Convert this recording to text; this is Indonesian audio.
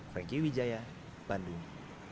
frankie wijaya bandung